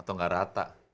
atau gak rata